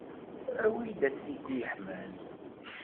Awi-d atriku yeḥman.